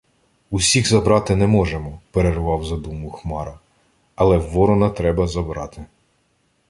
— Усіх забрати не можемо, — перервав задуму Хмара, — але Ворона треба забрати.